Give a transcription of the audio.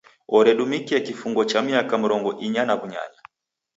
Oredumikia kifungo cha miaka mrongo inya na w'unyanya.